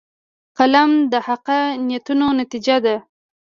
قلم د حقه نیتونو نتیجه ده